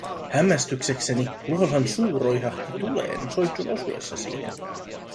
Hämmästyksekseni luolan suu roihahti tuleen soihdun osuessa siihen.